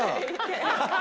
アハハハ！